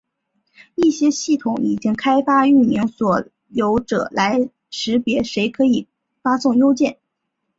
一些系统已经开发域名所有者来识别谁可以发送邮件。